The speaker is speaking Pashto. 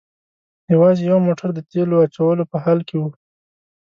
یوازې یو موټر د تیلو اچولو په حال کې و.